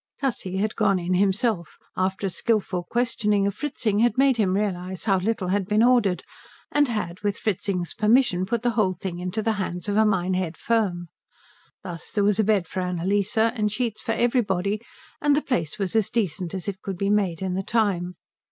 Tussie had gone in himself, after a skilful questioning of Fritzing had made him realize how little had been ordered, and had, with Fritzing's permission, put the whole thing into the hands of a Minehead firm. Thus there was a bed for Annalise and sheets for everybody, and the place was as decent as it could be made in the time.